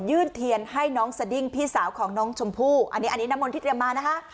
เทียนให้น้องสดิ้งพี่สาวของน้องชมพู่อันนี้อันนี้น้ำมนต์ที่เตรียมมานะคะ